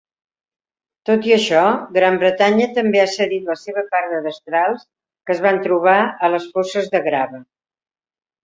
Tot i això, Gran Bretanya també ha cedit la seva part de destrals, que es van trobar a les fosses de grava.